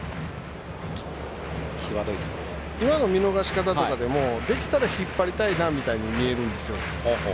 今の見逃し方とかでもできたら引っ張りたいなみたいに見えるんですよ。